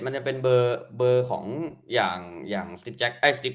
มันจะเป็นเบอร์เบอร์ของอย่างอย่างสติ๊ปแจ๊คเอ้ยสติ๊ป